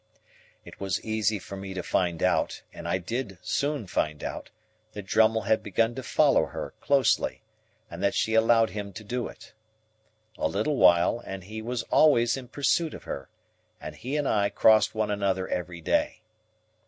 It was easy for me to find out, and I did soon find out, that Drummle had begun to follow her closely, and that she allowed him to do it. A little while, and he was always in pursuit of her, and he and I crossed one another every day.